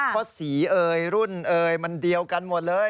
เพราะสีเอ่ยรุ่นเอ่ยมันเดียวกันหมดเลย